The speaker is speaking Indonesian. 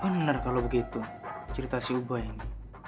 bener kalau begitu cerita si ubay ini